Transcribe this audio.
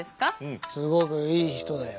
すごくいい人だよ。